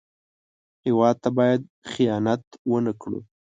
هېواد ته باید خیانت ونه کړو